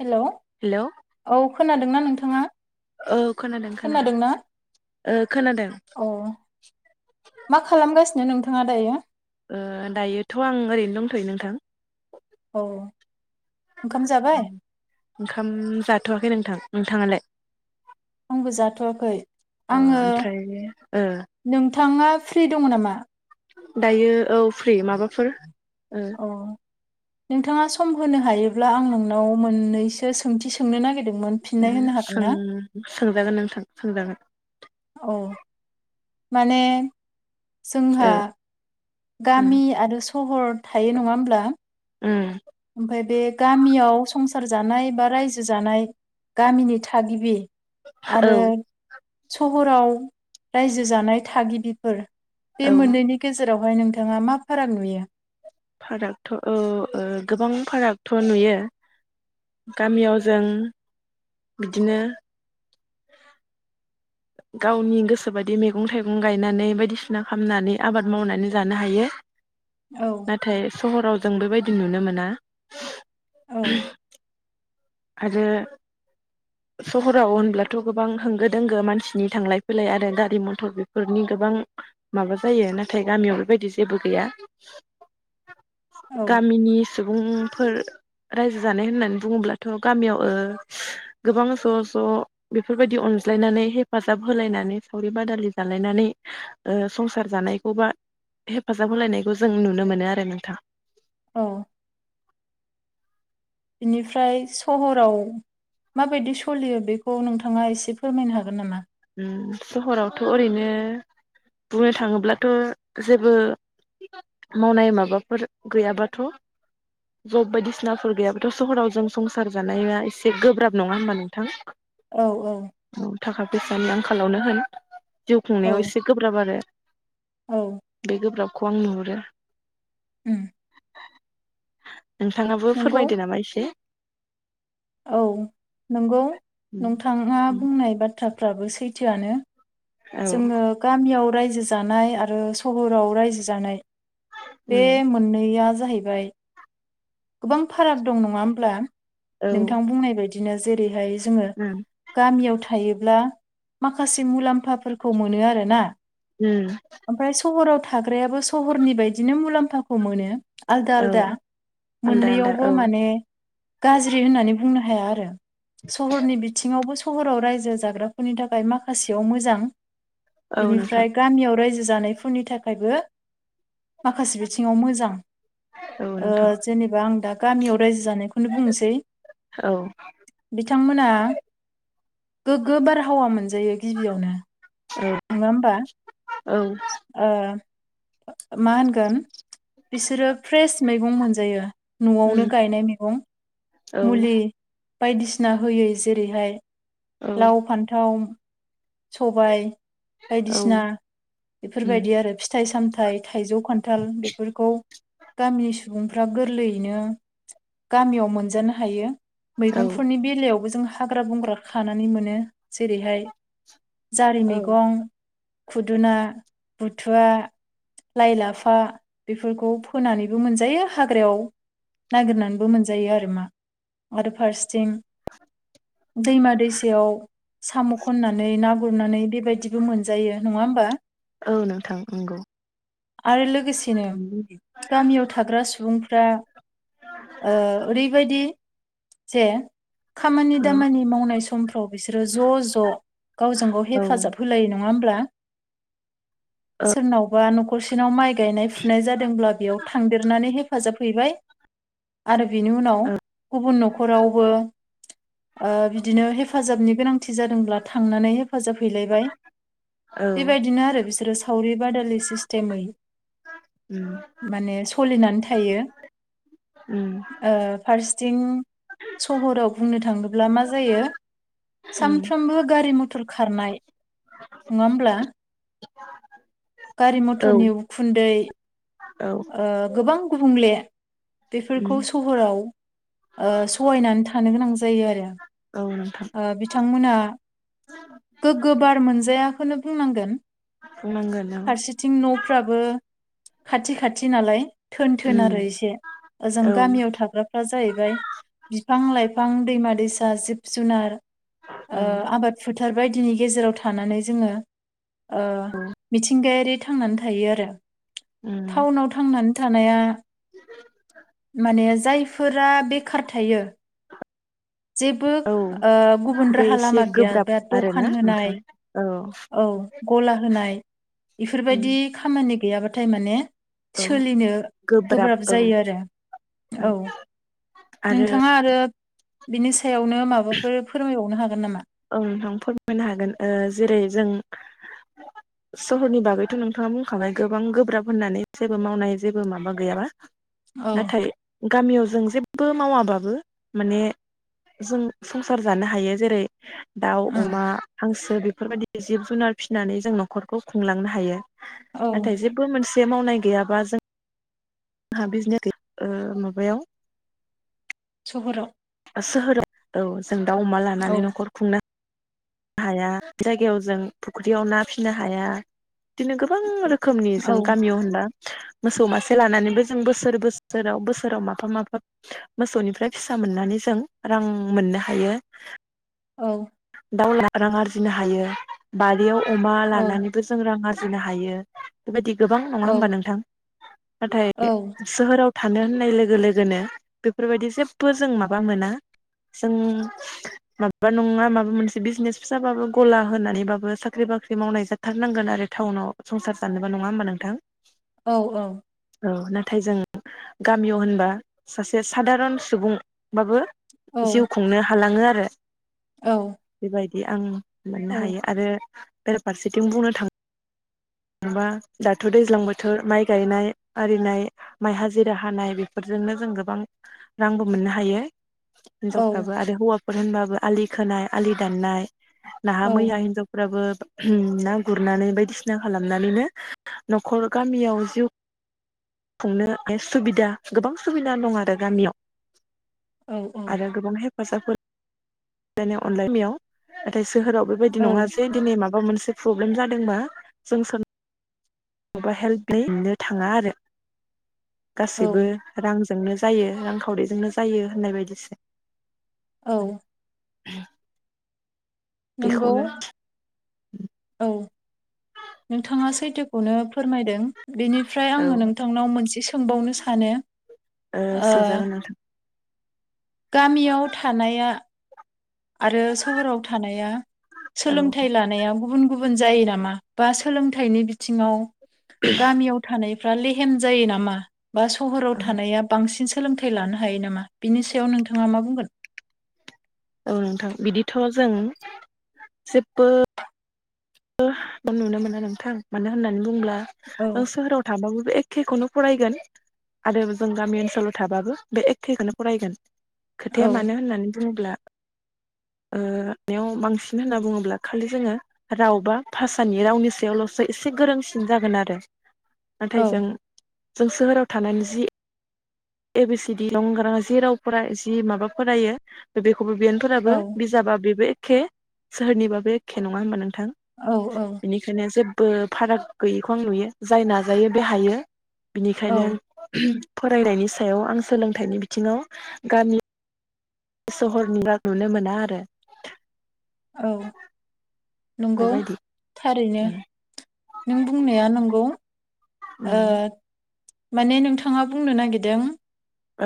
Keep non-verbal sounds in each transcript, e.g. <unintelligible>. हेल hello औ खोनादोंना नोंथां? औ खोनादों खोनादों। ओ खोनादों। औ नो नोंथाङा दायो? ओ दायोथ आं ओरैनो दंथयो नोंथां। औ। ओंखाम जाबाय ओंखाम जाथवाखै नोंथां। नोंथाङालाय? आंबो जाथवाखै। अ ओमफ्राय ओ। थाङा फ्रि दङ नामा? दायो औ फ्रि। माबाफोर ओ अ। नोंथाङा सम होनो हायोब्ला आं नोंनाव मोन्नैसो सोंथि सोंनो नागिरदों उम सों सोंजागोन नोंथां। सोंजागोन। औ माने जोंहा ओ उम गामि आरो सहर थायो नङा होमब्ला? उम। ओमफ्राय बे गामियाव संसार जानाय बा रायजो जानाय गामिनि थागिबि औ आरो सहराव रायजो जानाय थागिबिफोर बे औ मोननैनि गेजे रावहाय नोंथाङा मा फाराग नुयो? फारागथ औ ओ गोबां फारागथ नुयो। गामियाव जों बिदिनो गावनि गोसोबादि मैगं थाइगं गायनानै बायदिसिना खालामनानै आबाद मावनानै जानो हायो। औ नाथाय सहराव जों बेबायदि नुनो मोना औ <unintelligible> आरो सहराव होनब्लाथ गोबां होंगो दोंगो मानसिनि थांलाय फैलाय आरो गारि मथर बेफोरनि गोबां माबा जायो नाथाय गामियाव बेबायदि जेबो गैया औ गामिनि सुबुं फोर रायजो जानाय होननानै बुङोब्ला थ गामियाव ओ गोबां ज ज बेफोरबायदि अनज्लायनानै हेफाजाब होलायनानै सावरि बादालि जालायनानै ओ संसार जानायखौ बा हेफाजाब होलायनायखौ जों नुनो मोनो आरो नोंथां औ बिनिफ्राय सहराव माबायदि सलियो बेखौ नोंथाङा एसे फोरमायनो हागोन नामा? उम सहरावथ ओरैनो बुंनो थाङोब्लाथ जेबो मावनाय माबाफोर गैयाबाथ जब बायदिसिनाफोर गैयाबाथ सहराव जों संसार जानाया एसे गोब्राब नङा होनबा नोंथां औ औ औ थाखा फैसानि आंखालावनो होन जिउ औ खुंनायाव एसे गोब्राब आरो औ बेगोबराब खौ आं नहुरो उम नोंथाङाबो नंगौ फोरमायदो नामा एसे औ नंगौ नोंथाङा बुंनाय बा थाफ्राबो सैथोआनो औ जोङो गामियाव रायजो जानाय आरो सहराव रायजो जानाय बे मोननैया ज जाहैबाय गोबां फाराग दं नङा होमब्ला औ नोंथां बुंनाय बायदि बिदिनो जेरैहाय जोङो गामियाव थ थायोब्ला माखासे मुलाम्फाफोरखौ मोनो आरोना ओमफ्राय सहराव था थाग्रायाबो सहरनि बायदिनो मुलाम्फाखौ मोनो आलदा आलदा औ आलदा आलदा मोननैयावबो औ माने गाज्रि होननानै बुं बुंनो हाया आरो सहरनि बिथिङावबो सहराव रायजो जाग्राफोरनि थाखाय माखासेयाव मोजां औ नोंथां बिनिफ्राय गामियाव रायजो ज जानायफोरनि थाखायबो माखासे बिथिङाव मोजां औ ओ नोंथां जेनेबा आं दा गामियाव रायजो जानायखौनो बुंनोसै औ बिथांमोना गोग्गो बारहावा मोनजायो गिबियावनो औ नङा होमबा? औ औ। <inaudible> मा होनगोन बिसोरो फ्रेस मैगं मोन जायो। न'आवनो गायनाय मैगं औ मुलि बायदिसिना होयै जेरैहाय औ लाव फान्थाव सबाय बायदिसिना बेफोरबायदि आरो फिथाइ सामथाइ ओमफ्राय थाइजौ खान्थाल बेफोरखौ गामिनि सुबुंफ्रा गोरलैयैनो गामियाव मोनजानो हायो। मैगंफोरनि बेलायाव जों हाग्रा बंग्रा खानानै मोनो जेरैहाय जारि औ मैगं खुदुना बुथुवा लाइ लाफा बेफोरखौ फोनानैबो मोनजायो। हाग्रायाव नागिरनानैबो मोनजायो आरो मा आरो फारसेथिं दैमा दैसायाव साम' खनना ना गुरनानानै बे बायदिबो मोनजायो नङा होमबा। औ नोंथां नंगौ आरो लोगोसेनो गामियाव थाग्रा सुबुंफ्रा ओ ओरैबायदि जे खामानि दामानि मावनाय सम फ्राव बिसोरो ज' ज' गावजों गाव हेफाजाब होलायोना नङा होमब्ला सोरनावबा खरसेनाव माय गायनाय फुनाय जादोंब्ला बेयाव थांदेरनानै हेफाजाब फैबाय आरो बिनि उनाव गुबुन नखरावबो ओ बिदिनो हेफाजाबनि गोनांथि जादों थांनानै हेफाजाब हैलायबाय औ बेबायदिनो आरो बिसोरो सावरि बादालि सिस्टेमै माने सलिनानै थायो ओ फार्स्ट थिं सहराव बुंनो थाङोब्ला मा जायो सामफ्रामबो मुथुर खारनाय नङा होमब्ला गारि औ मथरनि उखुन्दै औ ओ गोबां गुबुंले बेफोरखौ उम सहराव ओ सहायनानै थानो गोनां जायो आरो औ नोंथां ओ बिथांमोना गोग्गो बार मोनजाया खौनो बुंनांगोन बुंनांगोन औ फारसेथिं नफ्राबो खाथि खाथि थि नालाय थोन थोन उम आरो एसे ओजों औ गामियाव थाग्राफ्रा जाहैबाय बिफां लाइफां दै दैमा दैसा जिब जुनार ओ ओं आबाद फोथ फोथार बायदिनि गेजेराव थानानै जोङो ओ मिथिंगायारि थांनानै थायो आरो उम टाउनाव थांनानै थानाया माने जायफोरा बेखार थायो जेबो औ ओ गुबुन बे राहा एसे लामा गैया गोब्राब बे आरोना दखान होनाय नोंथां औ औ गला होनाय उम इफोरबायदि खामानि गैयाबाथाय माने औ सोलिनो गोब्राब जायो आरो औ नोंथाङा आरो बिनोसै सायावनो माबाफोर फोरमायबावनो हागोन हागोन नामा औ नोंथां फोरमायनो हागोन ओ जेरै जों सहरनि बागैथ' नोंथाङा बुंखाबाय गोबां गोब्राब होननानै जेबो मावनाय जेबो माबा गैयाबा। औ नाथाय गामियाव जों जेबो मावाबाबो माने जों संसार जानो हायो जेरै दाउ, ओं अमा, हांसो जों बेफोरबायदि जिब जुनार फिसिनानै जों न'खरखौ खुंलांनो हायो। औ नाथाय जेबो मोनसे जे मावनाय गैयाबा जों जोंहा बिजनेस ओ माबायाव सहराव सहराव औ दाउ अमा औ लानानै न'खर खुंनो हाया जायगायाव जों फुख्रियाव ना फिसिनो हाया। बिदिनो गोबां रोखोमनि जों औ गामियाव होनला मोसौ मासे लानानैबो जों बोसोर बोसोराव बोसोराव माफा माफा मोसौनिफ्राय फिसा मोननानै जों रां मोननो हायो। औ दाउ लाना रां आरजिनो हायो बारियाव अमा औ लानानैबो जों रां बुजिनो हायो बेबायदि गोबां नङा औ होमबा नोंथां? नाथाय औ सोहोराव थानो होननाय लोगो लोगोनो बेफोरबायदि जेबो जों माबा मोना जों माबा नङा मा मोनसे बिजनेस फिसाबाबो गला होनानैबाबो साख्रि बाख्रि मावनाय जाथारनांगोन आरो टाउनाव संसार जानबो नङा होमबा नोंथां? औ औ औ नाथाय जों गामियाव होनबा सासे सादारन सुबुंबाबो जिउ खुंनो हालांङो आरो हा <inaudible> औ दि आं मोननो हायो आरो बेराफारसेथिं बुंनो थाङो बा जेनेबा दाथ' दैज्लां बोथोर माइ गायनाय आरिनाय माइ हाजिरा हानाय बेफोरजोंनो जों गोबां रांबो मोननो हायो। औ हिनजावफ्राबो आरोे हौवा बेफोर होनबाबो आलि खोनाय आलि दाननाय नाहा मैया हिनजावफोराबो होम ना गुरनानै बायदिसिना खालामनानैनो न'खर गामियाव जिउ खुंनो सुबिदा गोबां सुबिदा दं आरो गामियाव। आरो गोबांहाय हौवासाफोर <unintelligible> नाथाय सोहोराव बेबायदि औ नङा जे दिनै माबा माबा मोनसे प्रब्लेम जादों बा जों सों माबा हेल्प मोननो थाङा आरो। औ गासैबो रां जोंनो जायो रांखावरिजोंनो जायो होननाय बायदिसो। औ। नंगौ बेखौनो औ नोंथाङा सैथोखौनो फोरमायदों बेनिफ्राय औ आङो नोंथांनाव मोनसे सोंबावनो सानो ओ सोंजागोन नोंथां गामियाव थानाया आरो सहराव थानाया औ सोलोंथाइ लानाया गुबुन गु गुबुन जायो नामा बा सोलोंथाइनि बिथिङाव गामियाव थानाय फ्रा लेहेम जायो नामा? बा सहराव थानाया बांसिन सोलोंथाइ लानो हायो नामा बिनि सायाव नोंथाङा मा बुंगोन। औ नोंथां बिदिथ' जों जेबो नुनो मोना नोंथां मानो होननानै बुंब्ला औ ओ सोहोराव थाबावो बे एखेखौनो फरायगोन आरो जों गामि ओनसोलाव थाबाबो बे एखेखोनो फरायगोन। खोथाया औ मानो होननानै बुङोब्ला ओ बेयाव बांसिन होनना बुङोब्ला खालि जोङो राव बा भाषानि रावनि सायावल'सो एसे गोरोंसिन जागोन आरो। नाथाय औ जों जों सोहोराव थानानै जि ए बि सि दि <unintelligible> गारांआ जि रावफोरा जि माबा फरायो बेखौ खबा बियानफोराबो औ बिजाबा बेबो एखे सोरोहोरनिबाबो एखे नङा होनबा नोंथां। औ औ बेनिखायनो जे बो फाराग गैयिखौ नुयो जाय नाजायो बे हायो। औ बिनिखायनो। <unintelligible> फरायनायनि सायाव आं सोलोंथाइनि बिथिङाव गामि सहरनिबा नुनो मोना आरो। औ। नंगौ बेबायदि था ओरैनो नों बुंनाया नंगौ। ओ। उम माने नोंथाङा बुंनो नागिरदों।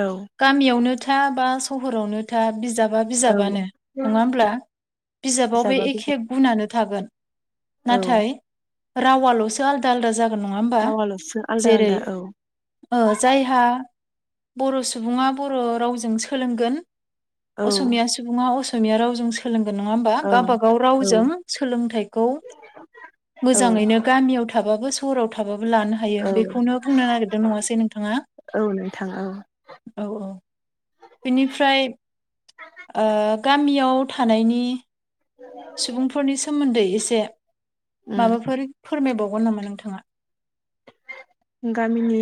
औ गामियावनो था बा सहरावनो था बिजाब औ बिजाबानो नङा होमब्ला बिजाबाव बे बिजाबा बिजाब एखे गुनानो थागोन। औ नाथाय रावाल'सो आदा आदा जाग नङा होमबा रावाल'सो आलदा जेरै आलदा औ ओ जायहा बर' स सुबुङा बर' रावजों सोलोंगोन। औ असमिया सुबुङा अस असिया रावजों सोलों नंङा होमबा ओं गावबा गाव औ रावजों सोलोंथायखौ औ मोजांयैनो गामियाव थाबाबो सह'राव थाबाबो लानो हायो औ बेखौनो बुंनो नागेरदों नङासझ नोंथाङा? औ नोंथां औ औ औ बेनिफ्राय ओ गामि याव थानायनि सुबुंफोरनि सोमोन्दै एसे उम माबाफोर फोरमायबाव अनोमोन नोंथाङा। गामिनि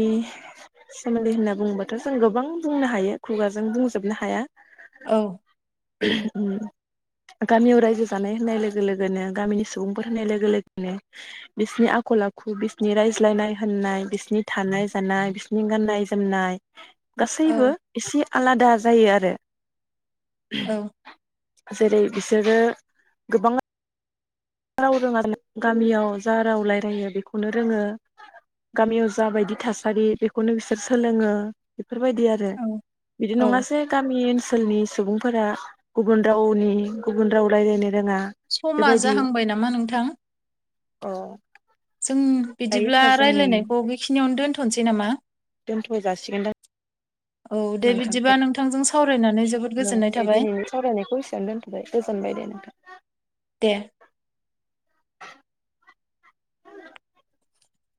सेमोन्दै होनना बुंनोङोबाथ' जों गोबां बुंनो हायो खुगाजों बुंजोबनो हाया। औ <unintelligible> गामियाव रायजो जानाय होननाय लोगो लोगोनो गामिनि सुबुंफोर होननाय लोगो लोगोनो बिसिनि आखल आखु बिसिनि रायज्लायनाय होननाय बिस बिसनि थानाय जानाय बिसिनि गाननाय ज जोमनाय गासैबो औ एसे आलादा जायो आरो। औ <unintelligible> जेरै बिसोरो गोबां राव रोङा गामियाव जा राव रायलायो बेखौनो रोङो गामियाव जा बायदि थासारि बेखौनो बिसोर सोलोङो। बेफोरबायदि आरो औ बिदि औ नङासै गामि ओन सोलनि सुबुंफोरा गुबुन रावनि गुबुन राव रायलायनो रोङा समा बेबायदि। जाहांबाय नामा नोंथां औ जों बिदिब्ला रायलायनायखौ बेखिनियावनो दोनथ'नोसै नामा दोनथ' जासिगोनदां औ नोंथां बिदिबा दे नोंथांजों सावरायनानै जोबोद औ गोजोननाय दे थाबाय दिनैनि सावरायनायखौ एसेयावनो दोनथ'बाय गोजोनबाय दे नोंथां दे